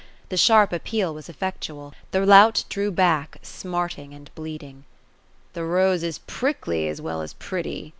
The sharp appeal was effectual. The lout drew back, smarting and bleeding. " The rose is prick! j as well as pretty